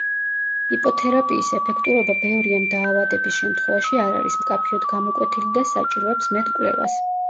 იპოთერაპიის ეფექტურობა ბევრი ამ დაავადების შემთხვევაში არ არის მკაფიოდ გამოკვეთილი და საჭიროებს მეტ კვლევას.